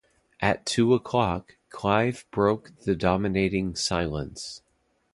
At two o'clock Clive broke the dominating silence.